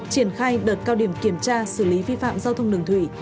triển khai đợt cao điểm kiểm tra xử lý vi phạm giao thông đường thủy